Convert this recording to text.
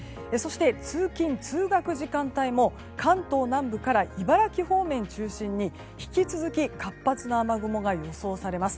通勤・通学時間帯も関東南部から茨城方面を中心に引き続き活発な雨雲が予想されます。